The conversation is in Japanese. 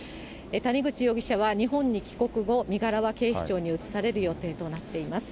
谷口容疑者は日本に帰国後、身柄は警視庁に移される予定となっています。